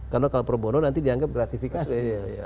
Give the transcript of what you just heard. karena kalau pro bono nanti dianggap gratifikasi